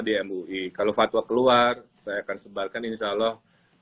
di mui kalau fatwa keluar saya akan sebarkan insyaallah